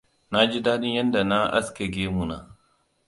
Na ji daɗin yadda na aske gemu na.